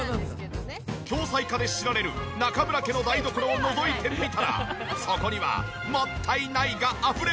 恐妻家で知られる中村家の台所をのぞいてみたらそこにはもったいないがあふれていた！